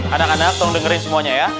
anak anak tolong dengerin semuanya ya